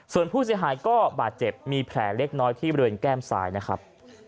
ส่วนผู้เสียหายก็บาดเจ็บมีแผลเล็กน้อยที่บริเวณแก้มซ้ายนะครับ